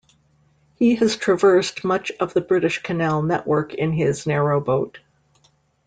He has traversed much of the British canal network in his narrowboat.